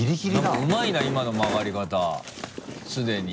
何かうまいな今の回り方すでに。